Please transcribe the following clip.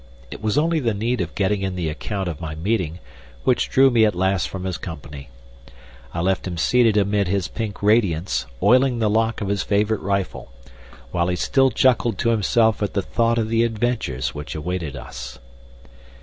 It was only the need of getting in the account of my meeting which drew me at last from his company. I left him seated amid his pink radiance, oiling the lock of his favorite rifle, while he still chuckled to himself at the thought of the adventures which awaited us.